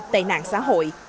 tệ nạn xã hội